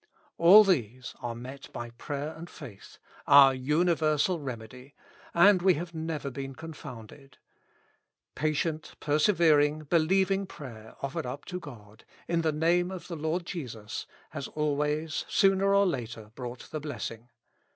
All these are met by prayer and faith, our universal remedy ; and we have never been confounded. Patient, persevering, believ ing prayer, offered up to God, in the Name of the Lord Jesus, has always, sooner or later, brought the blessing.